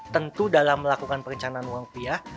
tentu dalam melakukan perencanaan uang rupiah